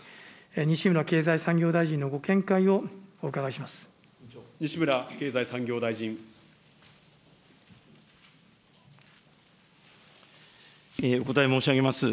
西村経済産業大臣のご見解をお伺いします。